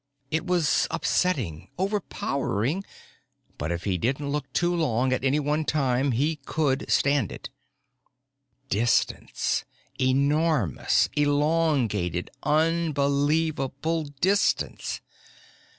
It was upsetting, overpowering, but if he didn't look too long at any one time, he could stand it. Distance. Enormous, elongated, unbelievable distance.